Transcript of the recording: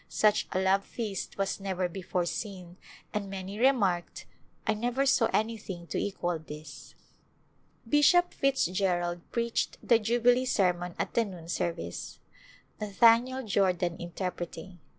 Such a love feast was never before seen and many remarked, " I never saw anything to equal this !'* Bishop Fitzgerald preached the Jubilee sermon at the noon service, Nathaniel Jordan interpreting.